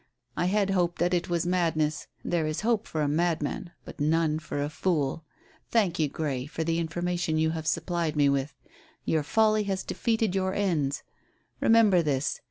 I had hoped that it was madness. There is hope for a madman, but none for a fool. Thank you, Grey, for the information you have supplied me with. Your folly has defeated your ends. Remember this.